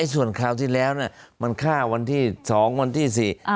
ส่วนคราวที่แล้วมันฆ่าวันที่๒วันที่๔